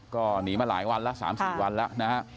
ก็หนีมาหลายวันแล้วสามสิบวันแล้วนะครับ